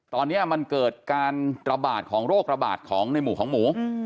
ตอนนี้มันเกิดการระบาดของโรคระบาดของในหมู่ของหมู